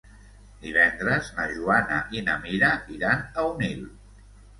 Divendres na Joana i na Mira iran a Onil.